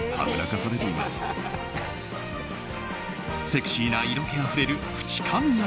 セクシーな色気あふれる淵上泰史。